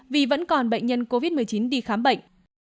vì vẫn còn bệnh nhân covid một mươi chín đi khám bệnh